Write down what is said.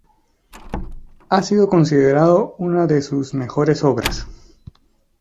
Ha sido considerado una de sus mejores obras.